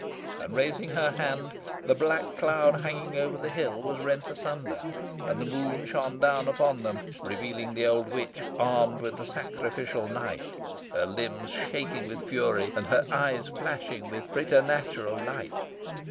And raising her hand, the black cloud hanging over the hill was rent asunder, and the moon shone down upon them, revealing the old witch, armed with the sacrificial knife, her limbs shaking with fury, and her eyes flashing with preternatural light.